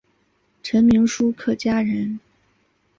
陈铭枢客家人。